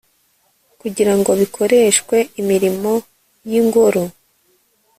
kugira ngo bikoreshwe imirimo y'ingoro